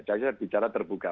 saya bicara terbuka